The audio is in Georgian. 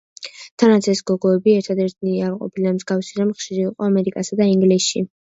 თანაც ეს გოგოები ერთადერთნი არ ყოფილან, მსგავსი რამ ხშირი იყო ამერიკასა და ინგლისში.